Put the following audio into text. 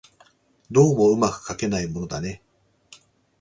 どうも巧くかけないものだね